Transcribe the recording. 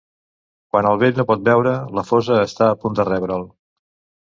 Quan el vell no pot beure, la fossa està a punt de rebre'l.